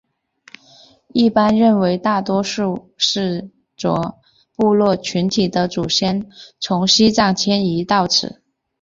一般认为大多数土着部落群体的祖先从西藏迁移到此。